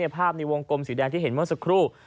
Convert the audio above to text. ภาพในวงกลมสีแดงที่เห็นเมื่อสักครู่